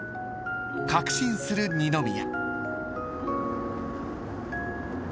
［確信する二宮］